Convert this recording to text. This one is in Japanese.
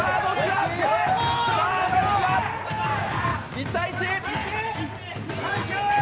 １対１。